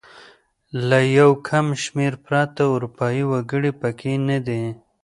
له یو کم شمېر پرته اروپايي وګړي پکې نه دي.